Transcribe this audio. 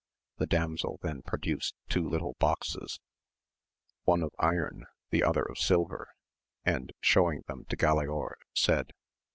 The damsd then produced two little boxes, one of iron the other of silver, and showing them to Galaor, said.